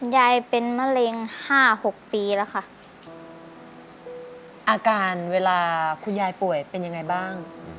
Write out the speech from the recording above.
ยายเป็นมะเร็งห้าหกปีแล้วค่ะอาการเวลาคุณยายป่วยเป็นยังไงบ้าง